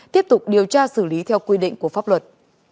tiếp tục điều tra xử lý theo quy định của pháp luật